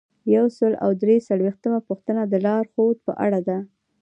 یو سل او درې څلویښتمه پوښتنه د لارښوود په اړه ده.